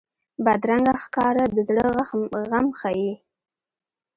بدرنګه ښکاره د زړه غم ښيي